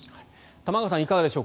玉川さんいかがでしょう。